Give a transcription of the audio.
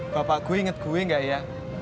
bapak gue inget gue gak ya